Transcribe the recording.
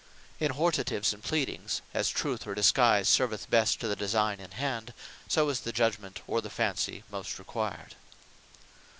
In Hortatives, and Pleadings, as Truth, or Disguise serveth best to the Designe in hand; so is the Judgement, or the Fancy most required.